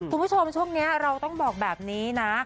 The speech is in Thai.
คุณผู้ชมช่วงนี้เราต้องบอกแบบนี้นะ